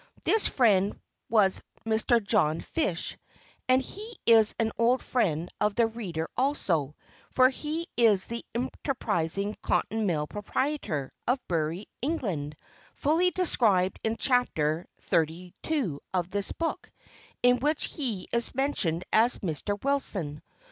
This friend was Mr. John Fish, and he is an old friend of the reader also, for he is the enterprising cotton mill proprietor, of Bury, England, fully described in chapter xxxii of this book, in which he is mentioned as "Mr. Wilson."